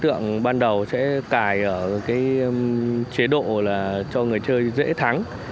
thường ban đầu sẽ cài ở chế độ cho người chơi dễ thắng